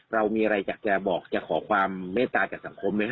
เรามีอะไรอยากจะบอกจะขอความเมตตาจากสังคมไหมค